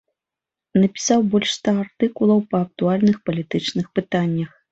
Напісаў больш ста артыкулаў па актуальных палітычных пытаннях.